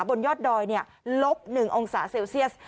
บนยอดดอยลบ๑องศาเซลเซียส